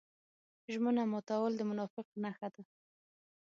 ژمنه ماتول د منافق نښه ده.